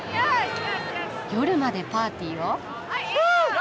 夜までパーティーを？